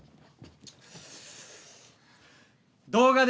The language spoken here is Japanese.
動画で。